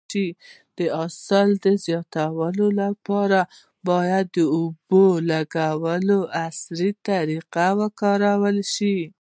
د حاصل د زیاتوالي لپاره باید د اوبو لګولو عصري طریقې وکارول شي.